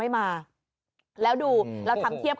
กาลอย่าเทียบ